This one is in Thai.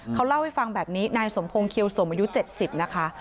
เขาเล่าให้ฟังแบบนี้นายสมพงศ์เขียวสมอายุ๗๐นะคะ